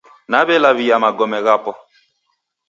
Nawelawia Magome ghapo